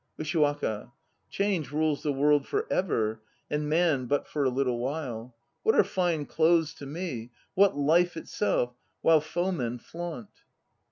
USHIWAKA. Change rules the world for ever, and Man but for a little while. What are fine clothes to me, what life itself while foemen flaunt?